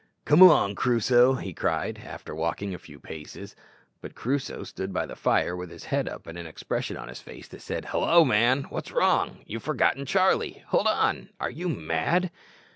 "Come along, Crusoe!" he cried, after walking a few paces. But Crusoe stood by the fire with his head up, and an expression on his face that said, "Hallo, man! what's wrong? You've forgot Charlie! Hold on! Are you mad?"